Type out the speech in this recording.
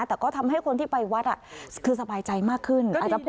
แต่ก็ทำให้คนที่ไปวัดคือสบายใจมากขึ้น